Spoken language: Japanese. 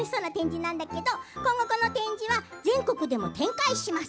なんだけと今後、この展示は全国でも展開します。